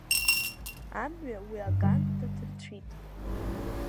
Амҩа уи аган ҭадырцәит.